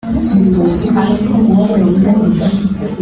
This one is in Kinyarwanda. Inyama ayidonda mu maraka hirya,